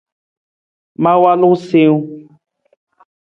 Ma walu siwung.